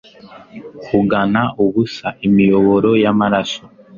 kugana ubusa, imiyoboro y'amaraso